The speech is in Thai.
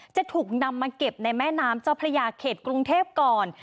จะถูกนำมาเก็บในแม่น้ำเจ้าพระยาเขตกรุงเทพก่อน